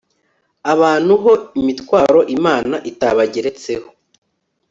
abantu ho imitwaro imana itabageretseho